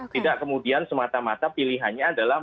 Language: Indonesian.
tidak kemudian semata mata pilihannya adalah